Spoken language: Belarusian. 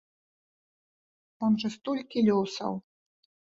Там жа столькі лёсаў!